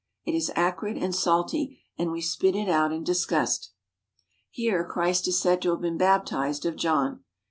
It is acrid and salty and we spit it out in disgust. Here Christ is said to have been baptized of John.